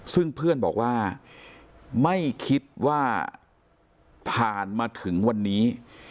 ซึ่งเพื่อนบอกว่าไม่คิดว่าผ่านมาถึงวันนี้